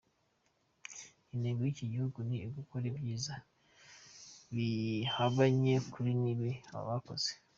Intego y’iki gihugu ni ugukora ibyiza bihabanye kure n’ibibi abo bakoze.